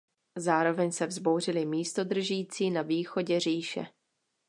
Zároveň se vzbouřili místodržící na východě říše.